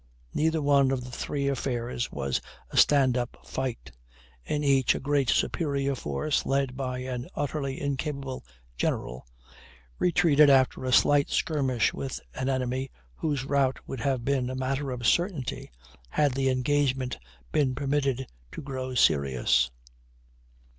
Neither one of the three affairs was a stand up fight; in each a greatly superior force, led by an utterly incapable general, retreated after a slight skirmish with an enemy whose rout would have been a matter of certainty had the engagement been permitted to grow serious.